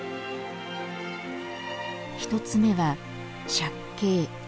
１つ目は借景。